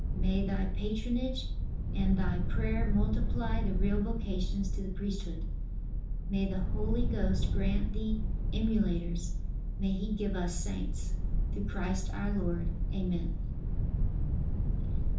May thy patronage, and thy prayer multiply the real vocations to the priesthood. May the Holy Ghost grant thee emulators; may He give us Saints! Through Christ, our Lord. Amen.